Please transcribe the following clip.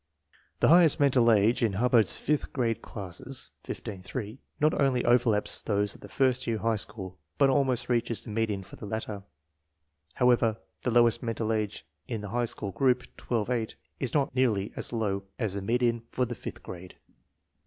The highest mental age in Hubbard's fifth grade classes (15 3) not only overlaps those of the first year high school, but almost reaches the median for the latter. However, the lowest mental age in the high school group (12 8) is not nearly as low as the median for the fifth grade.